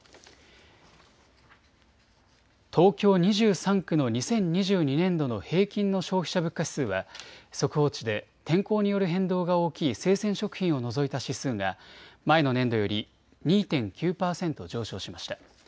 東京２３区の２０２２年度の平均の消費者物価指数は速報値で天候による変動が大きい生鮮食品を除いた指数が前の年度より２．９％上昇しました。